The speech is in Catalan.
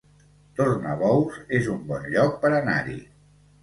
Tornabous es un bon lloc per anar-hi